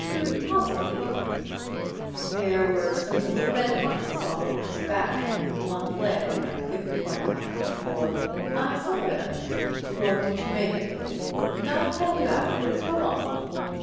"Possibly." "There were some little red marks all over his back and one leg I couldn't quite account for." "I saw them." "What did you make of them?" "I'll tell you afterwards. Go on."